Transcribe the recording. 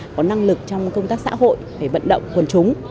có năng lực trong công tác xã hội để vận động quần chúng